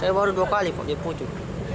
saya baru dua kali pak